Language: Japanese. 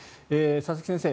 佐々木先生